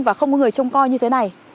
và không có người trông coi như thế này